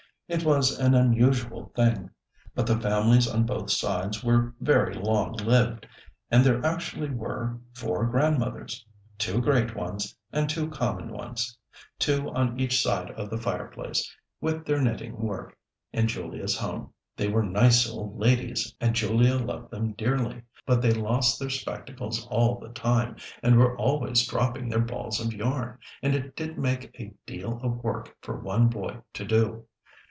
It was an unusual thing, but the families on both sides were very long lived, and there actually were four grandmothers; two great ones, and two common ones; two on each side of the fireplace, with their knitting work, in Julia's home. They were nice old ladies, and Julia loved them dearly, but they lost their spectacles all the time, and were always dropping their balls of yarn, and it did make a deal of work for one boy to do.